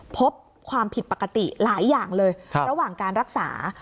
พบความผิดปกติหลายอย่างเลยระหว่างการรักษา